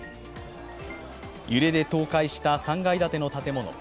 揺れで倒壊した３階建ての建物。